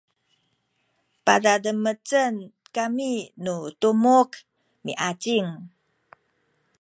padademecen kami nu tumuk miacin